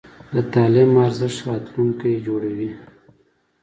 د تعلیم ارزښت د راتلونکي جوړوي.